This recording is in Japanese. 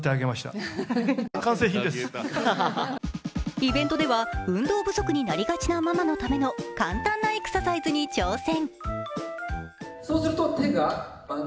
イベントでは運動不足になりがちなママのための簡単なエクササイズに挑戦。